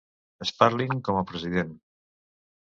Sparling com a president.